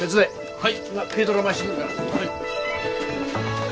はい。